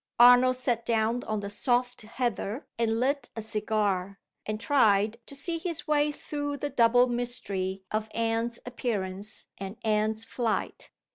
Arnold sat down on the soft heather and lit a cigar and tried to see his way through the double mystery of Anne's appearance and Anne's flight.